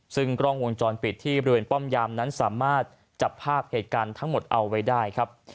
ซึ่งกล้องวงจรปิดที่บริเวณป้อมยามนั้นสามารถจับภาพเหตุการณ์ทั้งหมดเอาไว้ได้ครับ